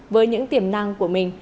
với những tiềm năng của mình